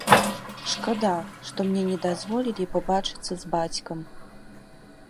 Шкада, што мне не дазволілі пабачыцца з бацькам.